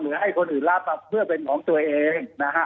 ให้คนอื่นรับเพื่อเป็นของตัวเองนะฮะ